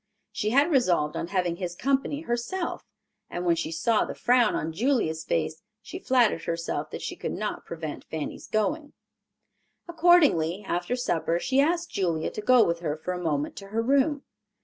She had resolved on having his company herself, and when she saw the frown on Julia's face, she flattered herself that she could yet prevent Fanny's going. Accordingly, after supper, she asked Julia to go with her for a moment to her room.